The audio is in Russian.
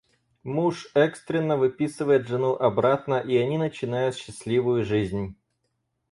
Муж экстренно выписывает жену обратно и они начинают счастливую жизнь.